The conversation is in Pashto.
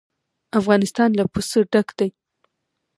افغانستان له پسه ډک دی.